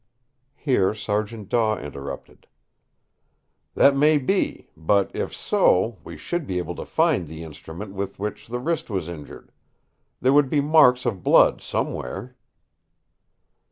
Here Sergeant Daw interrupted: "That may be, but if so, we should be able to find the instrument with which the wrist was injured. There would be marks of blood somewhere."